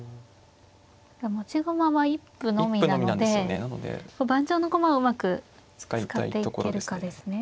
持ち駒は一歩のみなので盤上の駒をうまく使っていけるかですね。